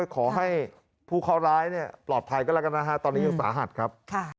ขอให้ผู้เคาะร้ายปลอดภัยก็แล้วกันนะฮะตอนนี้ยังสาหัสครับ